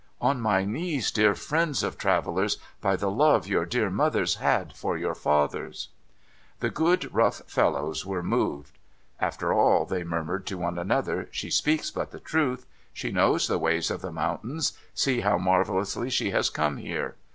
On my knees, dear friends of travellers 1 By the love your dear mothers had for your fathers !' The good, rough fellows were moved. ' After all,' they murmured to one another, ' she speaks but the truth. She knows the ways of the mountains. See how marvellously she has come here.